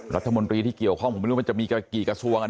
รัฐมนตรีที่เกี่ยวข้องผมไม่รู้มันจะมีกี่กระทรวง